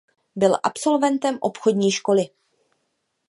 Byl absolventem obchodní školy.